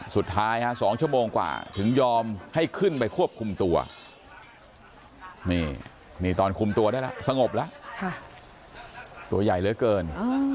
สุดท้าย๒ชั่วโมงกว่าถึงยอมให้ขึ้นไปควบคุมตัวนี่นี่ตอนคุมตัวได้แล้วสงบแล้วตัวใหญ่เหลือเกิน